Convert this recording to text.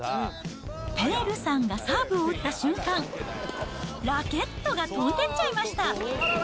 ペールさんがサーブを打った瞬間、ラケットが飛んでっちゃいました。